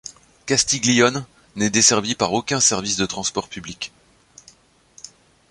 Castiglione n'est desservi par aucun service de transports publics.